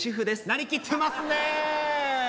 なりきってますね。